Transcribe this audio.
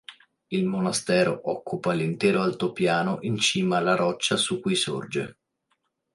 Il monastero occupa l'intero altopiano in cima alla roccia su cui sorge.